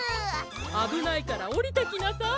あぶないからおりてきなさい。